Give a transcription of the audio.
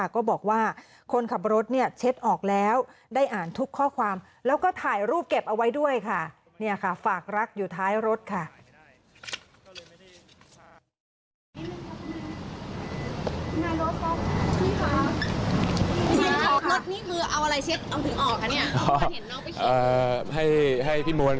ข้อความแล้วก็ถ่ายรูปเก็บเอาไว้ด้วยค่ะเนี่ยค่ะฝากรักอยู่ท้ายรถค่ะ